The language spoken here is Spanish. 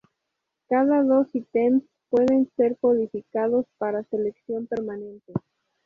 Cada dos ítems pueden ser codificados para selección permanente.